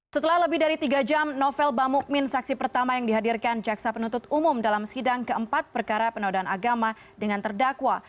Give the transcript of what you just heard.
setelah lebih dari tiga jam novel bamukmin saksi pertama yang dihadirkan jaksa penuntut umum dalam sidang keempat perkara penodaan agama dengan terdakwa